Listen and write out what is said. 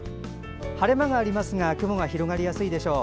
晴れ間がありますが雲が広がりやすいでしょう。